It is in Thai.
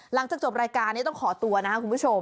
หลังจากจบรายการนี้ต้องขอตัวนะครับคุณผู้ชม